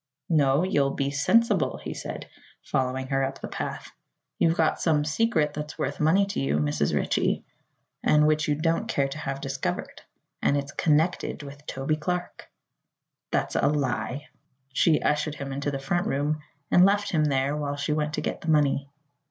"No; you'll be sensible," he said, following her up the path. "You've got some secret that's worth money to you, Mrs. Ritchie, and which you don't care to have discovered; and it's connected with Toby Clark." "That's a lie." She ushered him into the front room and left him there while she went to get the money.